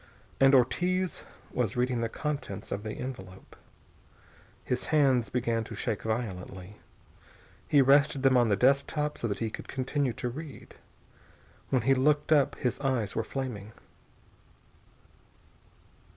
And Ortiz was reading the contents of the envelope. His hands began to shake violently. He rested them on the desk top so that he could continue to read. When he looked up his eyes were flaming.